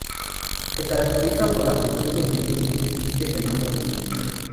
Se caracteriza por la presencia de múltiples quistes en ambos riñones.